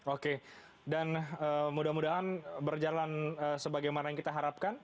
oke dan mudah mudahan berjalan sebagaimana yang kita harapkan